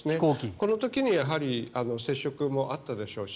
この時に接触もあったでしょうし